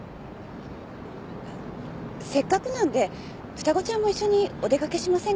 あっせっかくなんで双子ちゃんも一緒にお出掛けしませんか？